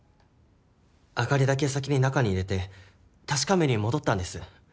あかりだけ先に中に入れて確かめに戻ったんです。